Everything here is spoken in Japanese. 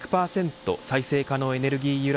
再生可能エネルギー